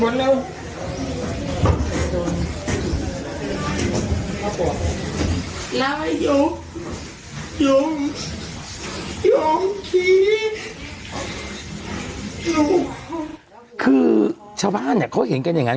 พ่อปลอดภัยแล้วยกยกยกคือชาวบ้านเนี้ยเขาเห็นกันอย่างงั้น